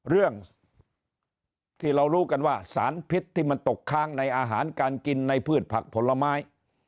เรื่องที่เรารู้กันว่าสารพิษที่มันตกค้างในอาหารการกินในพืชผักผลไม้